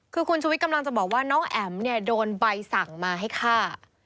คือคุณชุวิตกำลังจะบอกว่าน้องแอ๋มเนี่ยโดนใบสั่งมาให้ฆ่า